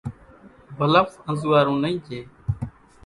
ڀلڦ انزوئارون نئي ڄي